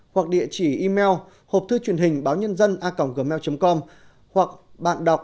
hoặc địa chỉ email hộp thư truyền hình báo nhân dân a gmail com hoặc bạn đọc nda org vn